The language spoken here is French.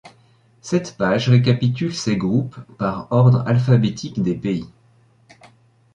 Cette page récapitule ces groupes, par ordre alphabétique des pays.